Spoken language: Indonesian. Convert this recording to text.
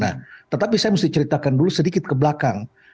nah tetapi saya mesti ceritakan dulu sedikit ke belakang